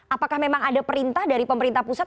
apakah memang ada perintah dari pemerintah pusat